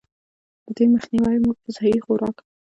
د دې مخ نيوے مونږ پۀ سهي خوراک ،